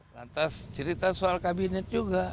lantas cerita soal kabinet juga